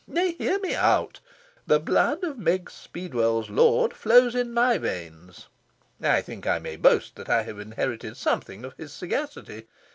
Nay, hear me out! The blood of Meg Speedwell's lord flows in my veins. I think I may boast that I have inherited something of his sagacity.